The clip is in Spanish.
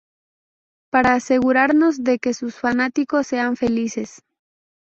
Para asegurarnos de que sus fanáticos sean felices.